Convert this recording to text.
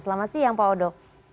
selamat siang pak odo